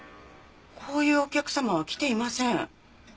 こういうお客様は来ていません。